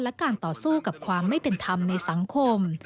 และการต่อสู้กับความไม่เป็นธรรมในสังคม